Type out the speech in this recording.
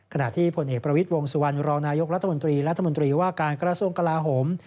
ขณะที่ผลเอกประวิทย์วงสุวรรณรองนายกรัฐมนตรีและรัฐมนตรีว่าการกระทรวงกลาโหม